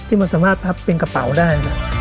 ที่มันสามารถเป็นกระเป๋าได้